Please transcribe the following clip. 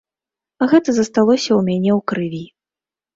Гэта засталося ў мяне ў крыві.